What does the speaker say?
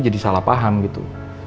jadi salah paham gitu